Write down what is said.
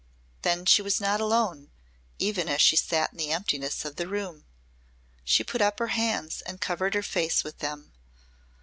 Then she was not alone even as she sat in the emptiness of the room. She put up her hands and covered her face with them.